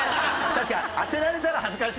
確かに当てられたら恥ずかしいだろうね。